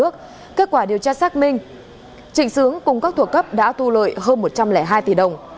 các quả điều tra xác minh trình xướng cùng các thuộc cấp đã thu lợi hơn một trăm linh hai tỷ đồng